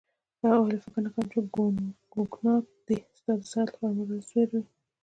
هغه وویل: فکر نه کوم چي کوګناک دي ستا د صحت لپاره مضر وي.